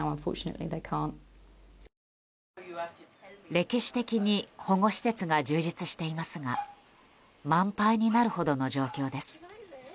歴史的に保護施設が充実していますが満杯になるほどの状況です。